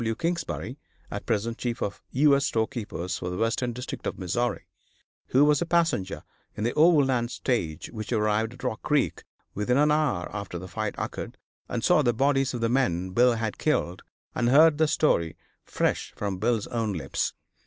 W. Kingsbury, at present chief of U. S. Storekeepers for the western district of Missouri, who was a passenger in the overland stage which arrived at Rock Creek within an hour after the fight occurred, and saw the bodies of the men Bill had killed, and heard the story fresh from Bill's own lips.